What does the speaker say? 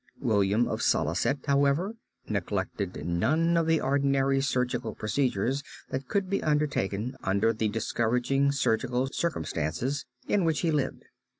William of Salicet, however, neglected none of the ordinary surgical procedures that could be undertaken under the discouraging surgical circumstances in which he lived.